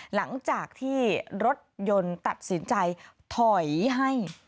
หลังจากที่รถยนต์ตัดสินใจถอยให้